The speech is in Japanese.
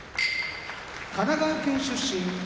神奈川県出身